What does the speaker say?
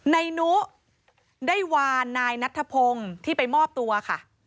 นายนุได้วานนายนัทธพงศ์ที่ไปมอบตัวค่ะ